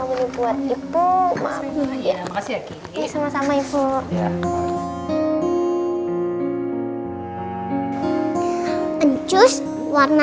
warna pinknya kok nggak ada di situ enggak ada